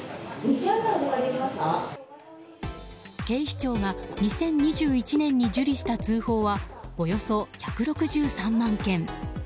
警視庁が２０２１年に受理した通報はおよそ１６３万件。